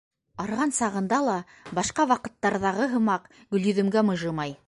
Арыған сағында ла, башҡа ваҡыттарҙағы һымаҡ, Гөлйөҙөмгә мыжымай.